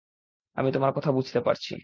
আমি তোমার কথা বুঝতে পারছি!